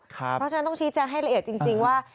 เพราะฉะนั้นต้องชี้แจงให้ละเอียดจริงว่า